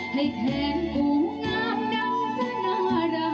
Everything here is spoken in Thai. ให้แขนกูงามดังก็น่ารัก